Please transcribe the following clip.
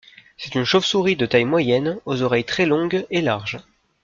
C’est une chauve-souris de taille moyenne aux oreilles très longues et larges.